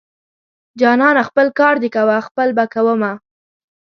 جانانه خپل کار دې کوه خپل به کوومه.